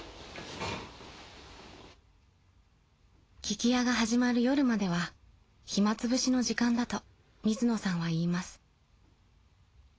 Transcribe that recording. ［聞き屋が始まる夜までは暇つぶしの時間だと水野さんは言います］